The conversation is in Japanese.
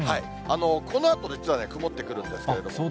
このあと実は曇ってくるんですけれども。